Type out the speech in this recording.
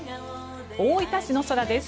大分市の空です。